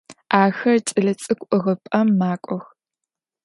Ахэр кӏэлэцӏыкӏу ӏыгъыпӏэм макӏох.